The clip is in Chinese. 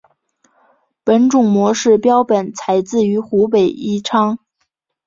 本种模式标本采自于湖北宜昌。